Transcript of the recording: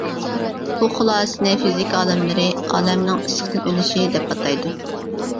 بۇ خۇلاسىنى فىزىكا ئالىملىرى ئالەمنىڭ «ئىسسىقتىن ئۆلۈشى» دەپ ئاتايدۇ.